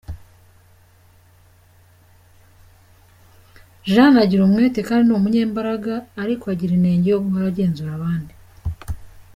Jeanne agira umwete kandi ni umunyembaraga, ariko agira inenge yo guhora agenzura abandi.